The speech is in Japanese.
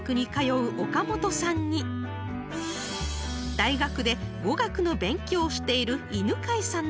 ［大学で語学の勉強をしている］